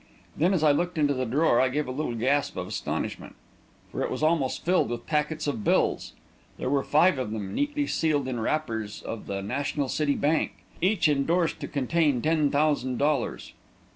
Then, as I looked into the drawer, I gave a little gasp of astonishment, for it was almost filled with packets of bills. There were five of them, neatly sealed in wrappers of the National City Bank, and each endorsed to contain ten thousand dollars.